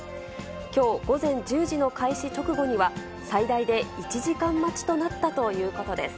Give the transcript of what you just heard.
きょう午前１０時の開始直後には、最大で１時間待ちとなったということです。